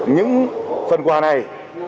những phần quà này